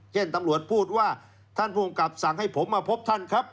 เช่นตำรวจพูดว่าท่านภูมิกับสั่งให้ผมมาพบท่านครับ